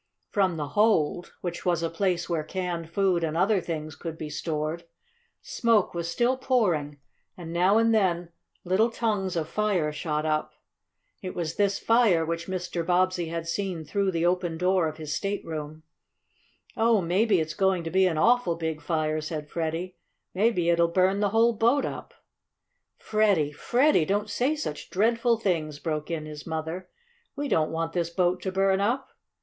From the hold, which was a place where canned food and other things could be stored, smoke was still pouring, and now and then little tongues of fire shot up. It was this fire which Mr. Bobbsey had seen through the open door of his stateroom. "Oh, maybe it's going to be an awful big fire!" said Freddie. "Maybe it'll burn the whole boat up!" "Freddie, Freddie! Don't say such dreadful things!" broke in his mother. "We don't want this boat to burn up."